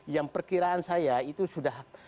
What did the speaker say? yang perkiraan saya itu sudah